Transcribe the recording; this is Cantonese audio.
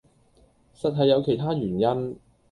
實係有其他原因